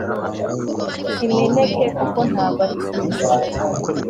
Kimeneke kuko ntago ari cyiza